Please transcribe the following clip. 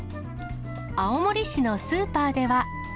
青森市のスーパーでは。